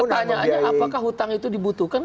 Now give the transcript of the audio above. pertanyaannya apakah hutang itu dibutuhkan